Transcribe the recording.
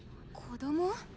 子供？